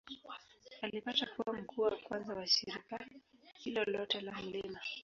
Alipata kuwa mkuu wa kwanza wa shirika hilo lote la Mt.